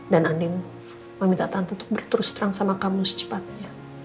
dan anding meminta tante untuk berterus terang sama kamu secepatnya